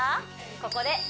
ここでＡ．